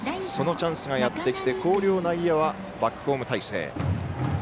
そのチャンスがやってきて広陵内野はバックホーム態勢。